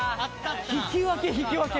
引き分け引き分け。